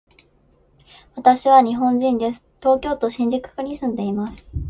私は日本人です。東京都新宿区に住んでいます。